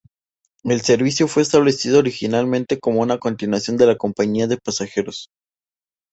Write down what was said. El servicio fue establecido originariamente como una continuación de la compañía de pasajeros.